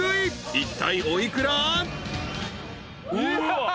いったいお幾ら？］